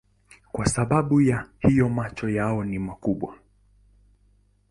Kwa sababu ya hiyo macho yao ni makubwa.